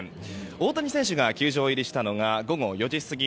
大谷選手が球場入りしたのが午後４時過ぎ。